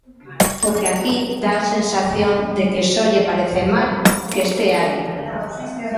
Porque aquí dá a sensación de que só lle parece mal que estea aí.